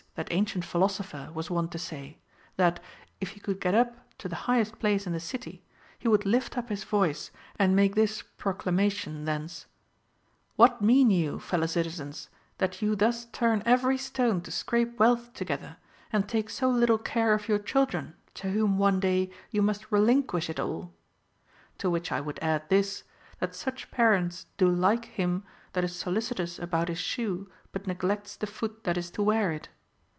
11 that ancient philosopher, was wont to say, — that, if he could get up to the highest place in the city, he would lift up his voice and make this proclamation thence :" What mean you, fellow citizens, that you thus turn every stone to scrape Λvealth together, and take so little care of your children, to whom, one day, you must relinquish it all ?"— to which I would add this, that such parents do like hira that is solicitous about his shoe, but neglects the foot that is to wear it.